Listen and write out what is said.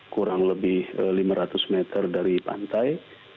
kurang lebih lima ratus meter dari pantai